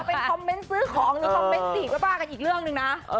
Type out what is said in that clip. แต่ต้องเป็นคอมเมนต์ซื้อของหรือคอมเมนต์สีกล้าบ้ากันอีกเรื่องนึงนะ